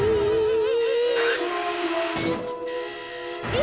え！